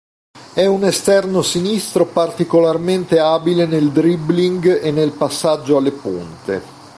È un esterno sinistro particolarmente abile nel dribbling e nel passaggio alle punte.